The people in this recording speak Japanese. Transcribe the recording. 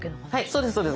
そうですそうです。